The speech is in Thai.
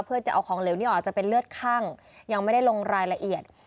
เพื่อจะเอาของเหลวนี้ออกจะเป็นเลือดคั่งยังไม่ได้ลงรายละเอียด